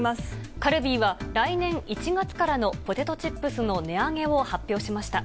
カルビーは、来年１月からのポテトチップスの値上げを発表しました。